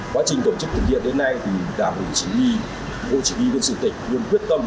quá trình tổ chức thực hiện đến nay thì đảm bảo chỉ huy cô chỉ huy quân sự tịch luôn quyết tâm